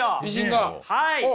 はい。